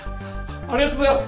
ありがとうございます。